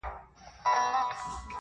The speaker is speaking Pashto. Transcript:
ټول عمر ښېرا کوه دا مه وايه.